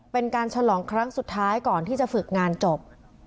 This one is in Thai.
เป็นการฉลองครั้งสุดท้ายก่อนที่จะฝึกงานจบ